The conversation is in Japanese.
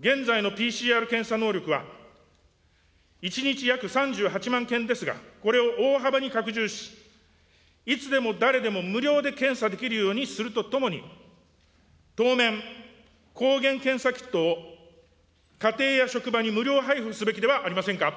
現在のＰＣＲ検査能力は、１日約３８万件ですが、これを大幅に拡充し、いつでも、誰でも、無料で検査できるようにするとともに、当面、抗原検査キットを家庭や職場に無料配布すべきではありませんか。